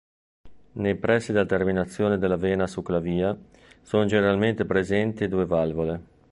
Nei pressi della terminazione della vena succlavia sono generalmente presenti due valvole.